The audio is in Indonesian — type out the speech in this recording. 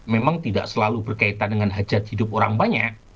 memang tidak selalu berkaitan dengan hajat hidup orang banyak